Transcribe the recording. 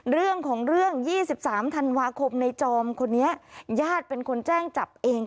เรื่องของเรื่อง๒๓ธันวาคมในจอมคนนี้ญาติเป็นคนแจ้งจับเอง